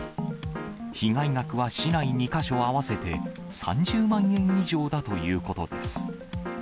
被害額は市内２か所合わせて、３０万円以上だということです。